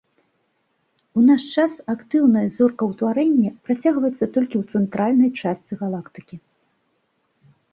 У наш час актыўнае зоркаўтварэнне працягваецца толькі ў цэнтральнай частцы галактыкі.